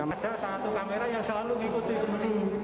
ada satu kamera yang selalu mengikuti pemberi